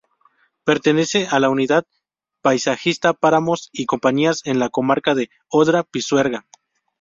Pertenece a la unidad paisajística Páramos y campiñas, en la comarca de Odra-Pisuerga.